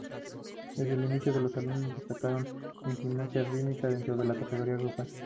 Desde los inicios sus alumnos destacaron en gimnasia rítmica dentro de la categoría grupal.